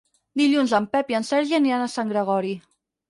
Dilluns en Pep i en Sergi aniran a Sant Gregori.